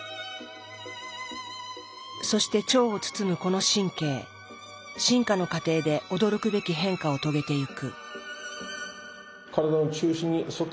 そして腸を包むこの神経進化の過程で驚くべき変化を遂げてゆく。